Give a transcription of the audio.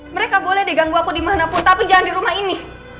mereka boleh deh ganggu aku dimanapun tapi jangan di rumah ini